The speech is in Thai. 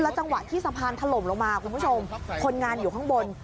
จังหวะที่สะพานถล่มลงมาคุณผู้ชมคนงานอยู่ข้างบน